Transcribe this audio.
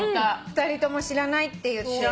２人とも知らないって言って。